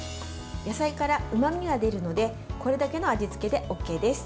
野菜からうまみが出るのでこれだけの味付けでＯＫです。